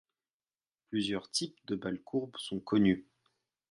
Plusieurs types de balles courbes sont connues.